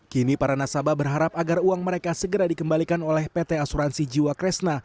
kini para nasabah berharap agar uang mereka segera dikembalikan oleh pt asuransi jiwa kresna